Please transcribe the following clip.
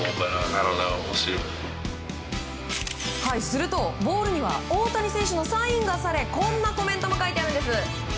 すると、ボールには大谷選手のサインがされこんなコメントも書いてあるんです。